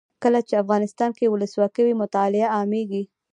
کله چې افغانستان کې ولسواکي وي مطالعه عامیږي.